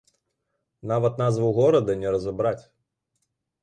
Нават назву горада не разабраць!